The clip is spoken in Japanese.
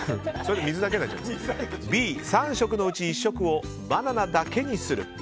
Ｂ、３食のうち１食をバナナだけにする。